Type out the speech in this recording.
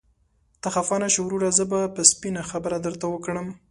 ته خفه نشې وروره، زه به سپينه خبره درته وکړم.